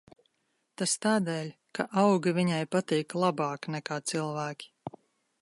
Tas tādēļ, ka augi viņai patīk labāk nekā cilvēki.